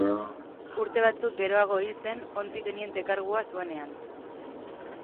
Urte batzuk geroago hil zen, ontzi teniente kargua zuenean.